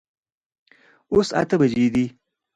اوس اته بجي دي